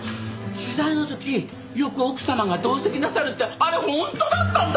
取材の時よく奥様が同席なさるってあれ本当だったんだ！